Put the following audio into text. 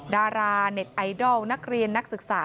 ดาราเน็ตไอดอลนักเรียนนักศึกษา